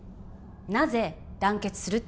なぜ団結するって